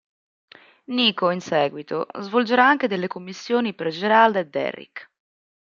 Niko, in seguito, svolgerà anche delle commissioni per Gerald e Derrick.